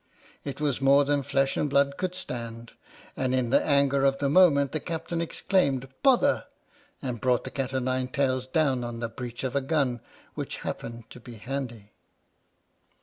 It was more than flesh and blood could stand, and, in the anger of the moment, the Captain exclaimed " Bother! " and brought the cat o' nine tails down on the breach of a gun which happened to be handy.